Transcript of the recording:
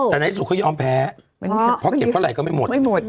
แต่ในที่สุดเขายอมแพ้เพราะเก็บเท่าไหร่ก็ไม่หมดไม่หมด